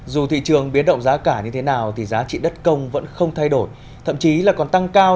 dù thị trường biến động giá cả như thế nào thì giá trị đất công vẫn không thay đổi thậm chí là còn tăng cao